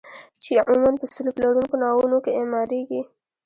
چې عموما په سلوب لرونکو ناوونو کې اعماریږي.